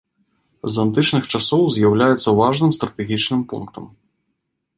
З антычных часоў з'яўляецца важным стратэгічным пунктам.